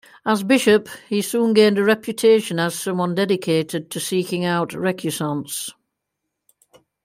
As bishop, he soon gained a reputation as someone dedicated to seeking out recusants.